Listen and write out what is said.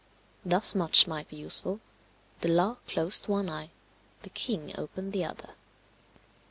Thus much might be useful the law closed one eye, the king opened the other.